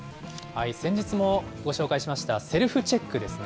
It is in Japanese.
先日もご紹介しました、セルフチェックですね。